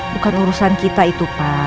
bukan urusan kita itu pak